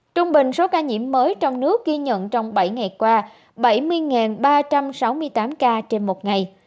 trung bình số ca nhiễm mới trong nước ghi nhận trong bảy ngày qua bảy mươi ba trăm sáu mươi tám ca trên một ngày